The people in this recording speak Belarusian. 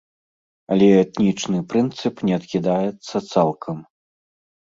Але этнічны прынцып не адкідаецца цалкам.